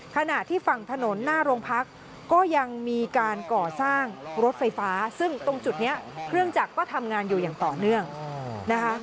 ขณะที่ฝั่งถนนหน้าโรงพักก็ยังมีการก่อสร้างรถไฟฟ้าซึ่งตรงจุดนี้เครื่องจักรก็ทำงานอยู่อย่างต่อเนื่องนะคะ